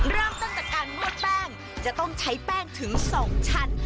เริ่มต้นจากการนวดแป้งจะต้องใช้แป้งถึง๒ชั้น